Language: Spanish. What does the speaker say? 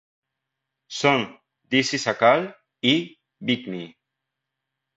Son "This Is A Call" y "Big Me".